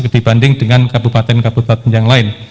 dibanding dengan kabupaten kabupaten yang lain